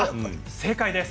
正解です！